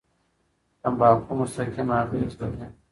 تمباکو مستقیم اغېز لري.